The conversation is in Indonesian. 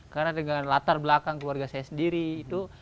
karena dengan latar belakang keluarga saya sendiri itu